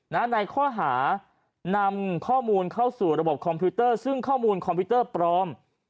ในข้อหานำข้อมูลเข้าสู่ระบบคอมพิวเตอร์ซึ่งข้อมูลคอมพิวเตอร์ปลอม